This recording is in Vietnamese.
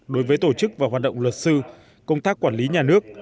đối với tổ chức và hoạt động luật sư công tác quản lý nhà nước